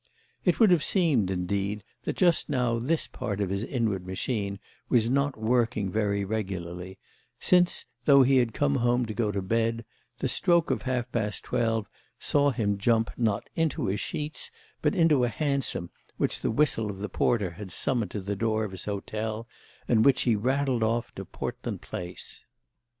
It would have seemed, indeed, that just now this part of his inward machine was not working very regularly, since, though he had come home to go to bed, the stroke of half past twelve saw him jump not into his sheets but into a hansom which the whistle of the porter had summoned to the door of his hotel and in which he rattled off to Portland Place.